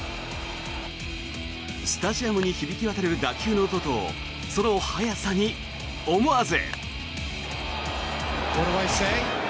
スタジアムに響き渡る打球の音とその速さに思わず。